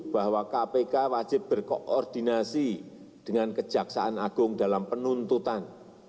bahwa kpk wajib berkoordinasi dengan kejaksaan agung dalam penuntutan